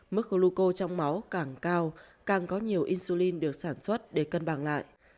mức goluco trong máu càng cao càng có nhiều insulin được sản xuất để cân bằng lại